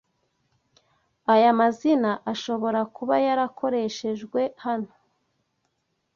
Aya mazina ashobora kuba yarakoreshejwe hano